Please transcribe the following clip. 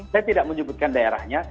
saya tidak menyebutkan daerahnya